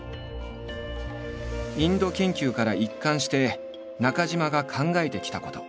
インド研究から一貫して中島が考えてきたこと。